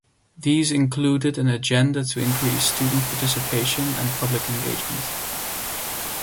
These included an agenda to increase student participation and public engagement.